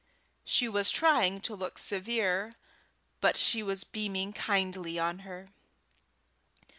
She was trying to look severe, but she was beaming kindly on her.